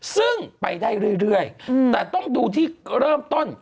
ซึ่งไปได้เรื่อยแต่ต้องดูที่เริ่มต้น